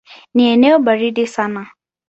Ni eneo baridi sana.